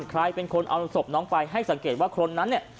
ใครเป็นคนเอาศพน้องไปให้สังเกตว่าคนนั้นเนี่ย